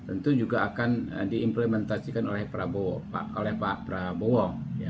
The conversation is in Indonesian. tentu juga akan diimplementasikan oleh pak prabowo